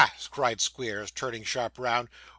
cried Squeers, turning sharp round.